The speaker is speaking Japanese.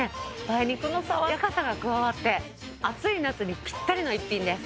梅肉の爽やかさが加わって暑い夏にぴったりの一品です。